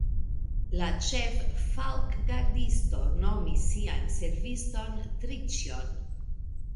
La ĉeffalkgardisto nomis sian serviston Triĉjon.